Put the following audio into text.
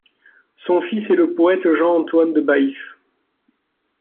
Son fils est le poète Jean-Antoine de Baïf.